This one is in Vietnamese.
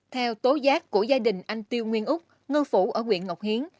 theo tố giác của gia đình anh tiêu nguyên úc ngư phủ ở quyện ngọc hiến